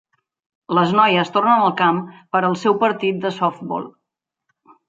Les noies tornen al camp per al seu partit de softbol.